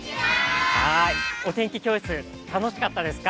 お天気教室、楽しかったですか？